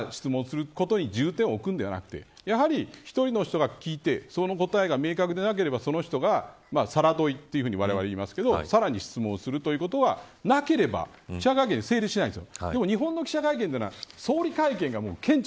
であれば、みんなが質問することに重点を置くんではなくてやはり一人の人が聞いてその答えが明確でなければその人がわれわれは言いますがさらに、質問することがなければ記者会見は成立しないんです。